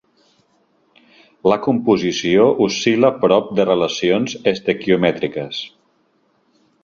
La composició oscil·la prop de relacions estequiomètriques.